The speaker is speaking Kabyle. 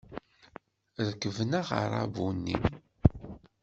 Rekben aɣerrabu-nni.